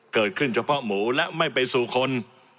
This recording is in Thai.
เกิดขึ้นเฉพาะหมูและไม่ไปสู่คน